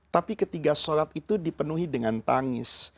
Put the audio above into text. tapi ketika sholat itu dipenuhi dengan tangis